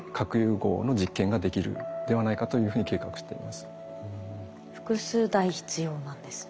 すごい。複数台必要なんですね。